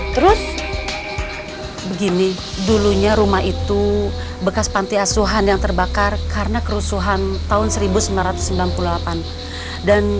terus begini dulunya rumah itu bekas panti asuhan yang terbakar karena kerusuhan tahun seribu sembilan ratus sembilan puluh delapan dan